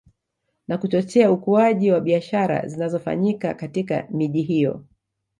Na kuchochea ukuaji wa biashara zinazofanyika katika miji hiyo